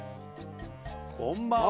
こんばんは。